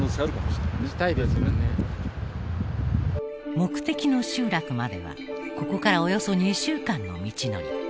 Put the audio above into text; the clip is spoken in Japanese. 目的の集落まではここからおよそ２週間の道のり。